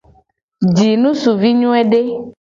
Ji ngusuvi nyoede.